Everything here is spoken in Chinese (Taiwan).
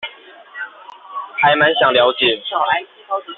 還滿想了解